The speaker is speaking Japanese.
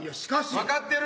分かってる。